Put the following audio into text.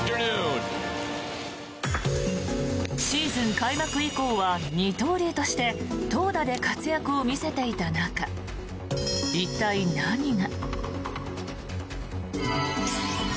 シーズン開幕以降は二刀流として投打で活躍を見せていた中一体、何が？